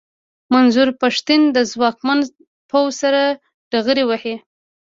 منظور پښتين د ځواکمن پوځ سره ډغرې وهي.